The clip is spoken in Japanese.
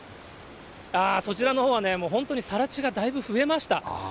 そちらのほうはね、本当にさら地がだいぶ増えました。